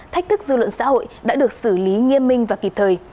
thách thức dư luận xã hội đã được xử lý nghiêm minh và kịp thời